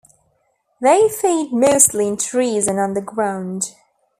They feed mostly in trees and on the ground.